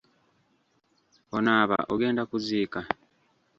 Onaaba ogenda kuziika?